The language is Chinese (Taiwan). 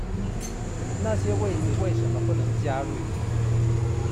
那些位子為什麼不能加入？